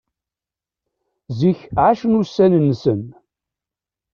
Zik εacen ussan-nsen.